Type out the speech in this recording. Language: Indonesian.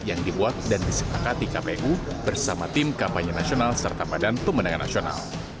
yang dibuat dan disepakati kpu bersama tim kampanye nasional serta badan pemenangan nasional